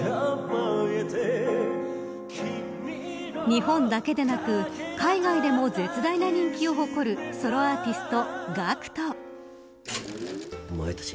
日本だけでなく海外でも絶大な人気を誇るソロアーティスト、ＧＡＣＫＴ。